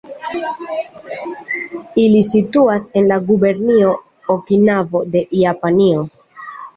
Ili situas en la gubernio Okinavo de Japanio.